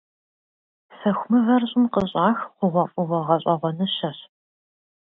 Сэху мывэр щӀым къыщӀах хъугъуэфӀыгъуэ гъэщӀэгъуэныщэщ.